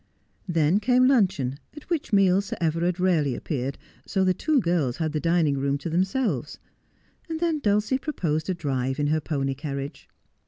Then came luncheon, at which meal Sir Everard rarely appeared, so the two girls had the dining room to themselves, and then Dulcie proposed a drive in her pony carriage.